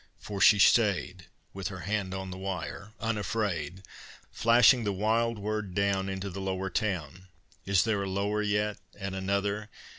For she stayed With her hand on the wire, Unafraid, Flashing the wild word down Into the lower town. Is there a lower yet and another?